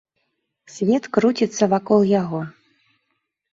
Свет круціцца вакол яго.